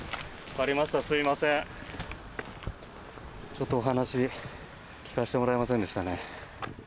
ちょっとお話聞かせてもらえませんでしたね。